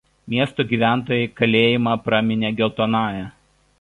Miesto gyventojai kalėjimą praminė „Geltonąja“.